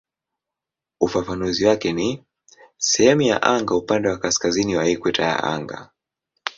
Ufafanuzi wake ni "sehemu ya anga upande wa kaskazini wa ikweta ya anga".